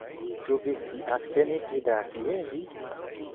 Ĉu vi scias ke mi fidas je vi?